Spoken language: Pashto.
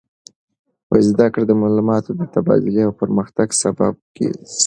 زده کړه د معلوماتو د تبادلې او پرمختګ سبب ګرځي.